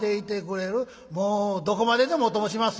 「もうどこまででもお供しまっせ」。